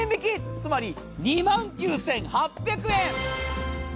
つまり２万つ９８００円！